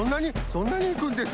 そんなにいくんですか？